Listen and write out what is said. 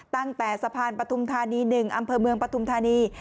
ตั้งแต่สะพานปฐุมธานี๑อำเภอเมืองปฐุมธานี